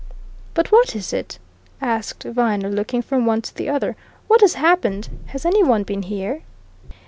"But what is it?" asked Viner, looking from one to the other. "What has happened! Has any one been here?"